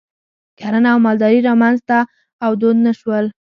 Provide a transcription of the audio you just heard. کرنه او مالداري رامنځته او دود نه شول.